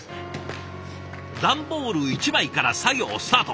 段ボール１枚から作業スタート。